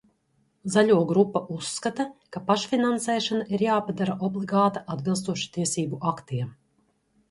Zaļo grupa uzskata, ka pašfinansēšana ir jāpadara obligāta atbilstoši tiesību aktiem.